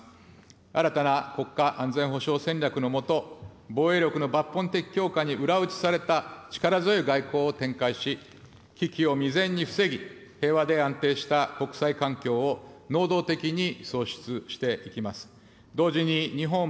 新たな国家安全保障戦略の下、防衛力の抜本的強化に裏打ちされた力強い外交を展開し、危機を未然に防ぎ、平和で安定した国際環境を能動的に創出していきます。